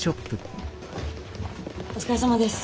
お疲れさまです。